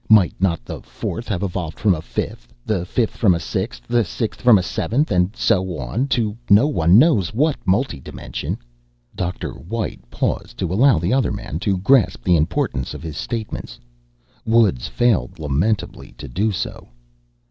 Might not the fourth have evolved from a fifth, the fifth from a sixth, the sixth from a seventh, and so on to no one knows what multidimension?" Dr. White paused to allow the other man to grasp the importance of his statements. Woods failed lamentably to do so.